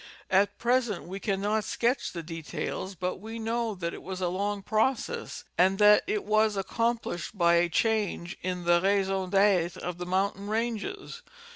At present we cannot sketch the details, but we know that it was a long process and that it was accom panied b}^ a change in the raison d'Ure of the mountain ranges.